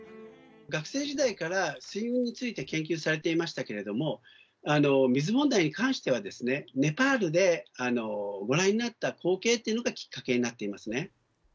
学生時代から水運について研究されていましたけれども、水問題に関してはネパールでご覧になった光景というのがきっかけになっていますね。